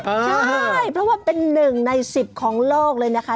ใช่เพราะว่าเป็นหนึ่งใน๑๐ของโลกเลยนะคะ